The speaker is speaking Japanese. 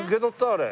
あれ。